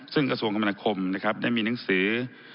ซึ่งกระทรวงคำนาคมได้มีหนังสือ